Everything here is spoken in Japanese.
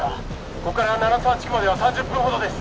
ここから七沢地区までは３０分ほどです